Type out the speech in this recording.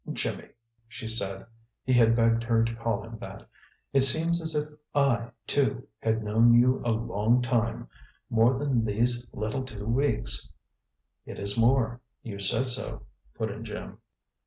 "Jimmy," she said he had begged her to call him that "it seems as if I, too, had known you a long time. More than these little two weeks." "It is more; you said so," put in Jim.